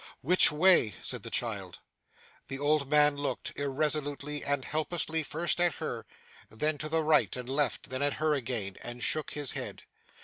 'Which way?' said the child. The old man looked, irresolutely and helplessly, first at her, then to the right and left, then at her again, and shook his head.